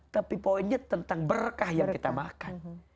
tapi poinnya tentang berkah yang kita makan